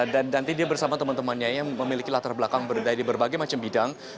dan nanti dia bersama teman temannya yang memiliki latar belakang berbeda di berbagai macam bidang